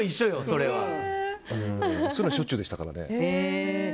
そういうのがしょっちゅうでしたからね。